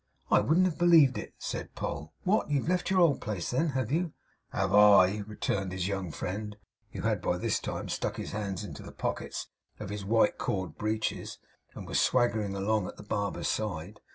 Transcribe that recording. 'I wouldn't have believed it,' said Poll. 'What! You've left your old place, then? Have you?' 'Have I!' returned his young friend, who had by this time stuck his hands into the pockets of his white cord breeches, and was swaggering along at the barber's side.